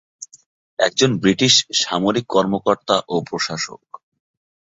একজন ব্রিটিশ সামরিক কর্মকর্তা ও প্রশাসক।